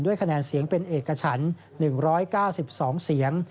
คะแนนเสียงเป็นเอกฉัน๑๙๒เสียง